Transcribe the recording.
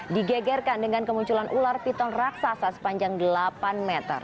digegerkan dengan kemunculan ular piton raksasa sepanjang delapan meter